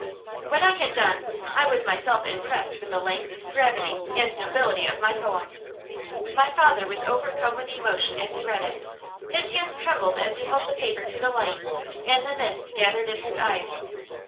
When I had done, I was myself impressed with the length, gravity, and nobility of my poem. My father was overcome with emotion as he read it. His hands trembled as he held the paper to the light, and the mist gathered in his eyes.